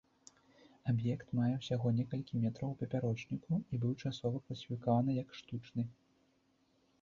Аб'ект мае ўсяго некалькі метраў у папярочніку і быў часова класіфікаваны як штучны.